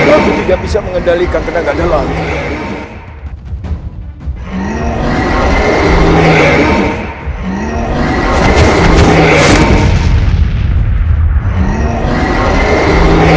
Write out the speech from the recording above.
kami tidak bisa mengendalikan tenaga dalam